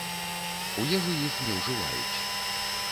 У ежу іх не ўжываюць.